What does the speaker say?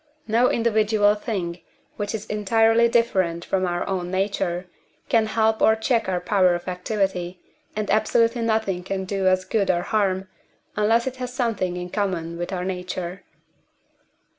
No individual thing, which is entirely different from our own nature, can help or check our power of activity, and absolutely nothing can do us good or harm, unless it has something in common with our nature.